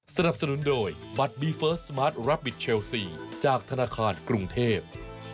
สนับสนุนโดยบัตรบีเฟิร์สสมาร์ทรับบิทเชลซีจากธนาคารกรุงเทพ